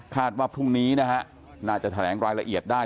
ว่าพรุ่งนี้นะฮะน่าจะแถลงรายละเอียดได้